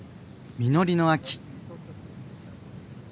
実りの秋。